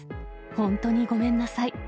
本当にごめんなさい。